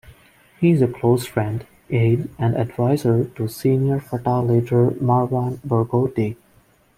He is a close friend, aide and adviser to senior Fatah leader Marwan Barghouti.